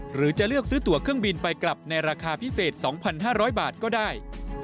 หรือจะเลือกซื้อตัวเครื่องบินไปกลับในราคาพิเศษ๒๕๐๐บาทก็ได้